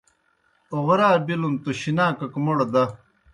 اوغرا بِلُن توْ شِناکَک موْڑ دہ۔